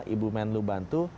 ibu menlu bantu